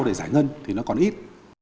để giải ngân thì nó còn ít